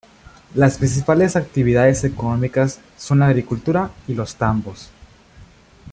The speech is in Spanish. Las principales actividades económicas son la agricultura y los tambos.